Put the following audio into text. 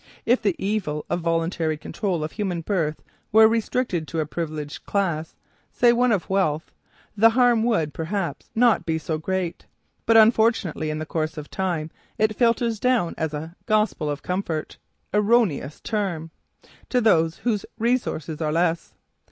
If the evil of voluntary control of human birth were restricted to a privileged class, say one of wealth, the harm done would, perhaps, not be so great. But, unfortunately, in the course of time it filters down as a "gospel of comfort" erroneous term! to those whose resources are less.